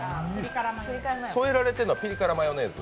添えられてるのはピリ辛マヨネーズ？